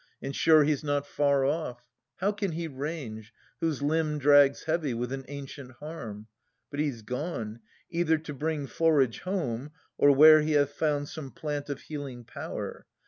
And sure he's not far off. How can he range. Whose limb drags heavy with an ancient harm? But he 's gone, either to bring forage home, Or where he hath found some plant of healing power.